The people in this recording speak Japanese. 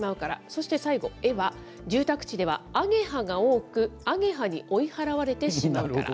そして最後、エは、住宅地ではアゲハが多く、アゲハに追い払われてしまうから。